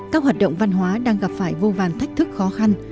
các hoạt động văn hóa đang gặp phải vô vàn thách thức khó khăn